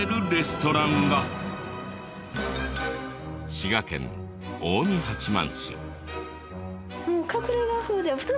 滋賀県近江八幡市。